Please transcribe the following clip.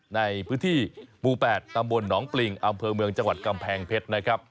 ในพื้นที่หมู่๘ตำบลหนองปริงอำเภอเมืองจังหวัดกำแพงเพชรนะครับ